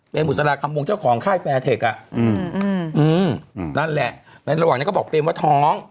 เป็นบุษราคำวงเจ้าของค่ายแฟร์เทคอ่ะอืมนั่นแหละในระหว่างนั้นก็บอกเปรมว่าท้อง